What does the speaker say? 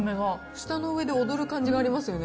舌の上で踊る感じがありますよね。